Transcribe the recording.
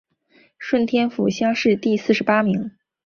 顺天府乡试第四十八名。